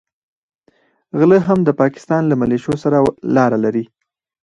غله هم د پاکستان له مليشو سره لاره لري.